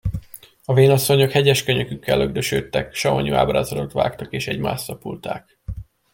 A vénasszonyok hegyes könyökükkel lökdösődtek, savanyú ábrázatot vágtak, és egymást szapulták.